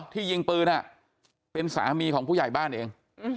ยิงปืนเป็นสามีของผู้ใหญ่บ้านเอง